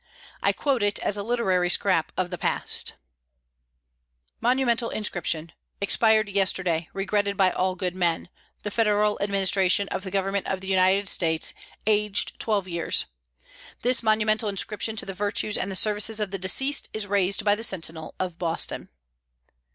I quote it as a literary scrap of the past: "MONUMENTAL INSCRIPTION expired yesterday, regretted by all good men, THE FEDERAL ADMINISTRATION OF THE GOVERNMENT OF THE UNITED STATES, aged 12 years. This Monumental Inscription to the virtues and the services of the deceased is raised by the Sentinel of Boston."